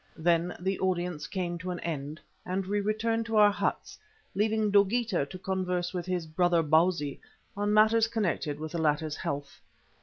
Then the audience came to an end, and we returned to our huts, leaving Dogeetah to converse with his "brother Bausi" on matters connected with the latter's health.